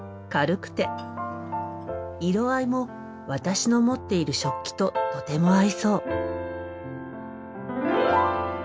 色合いも私の持っている食器ととても合いそう。